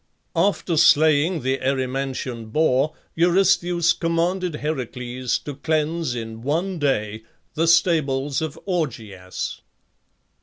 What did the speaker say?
After slaying the Erymantian boar Eurystheus commanded Heracles to cleanse in one day the stables of Augeas.